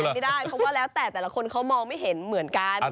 เพราะว่าแล้วแต่ละคนเขามองไม่เห็นเหมือนกัน